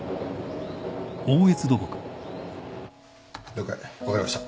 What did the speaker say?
了解分かりました。